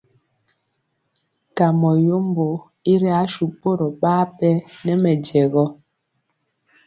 Kamɔ yombo i ri asu ɓorɔ ɓaa ɓɛ nɛ mɛjɛ gɔ.